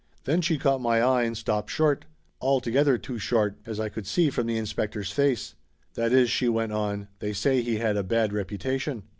Then she caught my eye and stopped short. Al together too short, as I could see from the inspector's face. "That is," she went on, "they say he had a bad reputation."